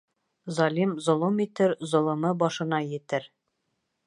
Залим золом итер, золомо башына етер.